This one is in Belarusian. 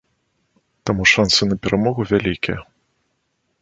Таму шансы на перамогу вялікія.